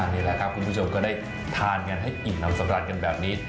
นี่แหละครับคุณผู้ชมก็ได้ทานกันให้อิ่มน้ำสำรัดกันแบบนี้